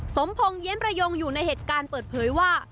สมพงศ์เย็มประยงอยู่ในเหตุการณ์เปิดเผยว่า